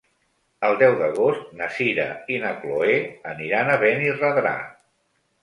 El deu d'agost na Sira i na Chloé aniran a Benirredrà.